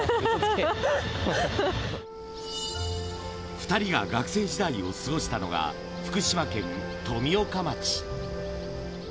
２人が学生時代を過ごしたのは福島県富岡町。